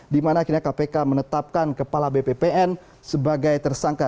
dimana akhirnya kpk menetapkan kepala bppn sebagai tersangka